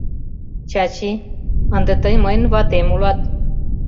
— Чачи, ынде тый мыйын ватем улат.